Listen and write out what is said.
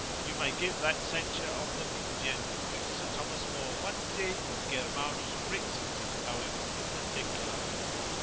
You may give that censure of them in general, which Sir Thomas More once did of Germanus Brixius' poems in particular.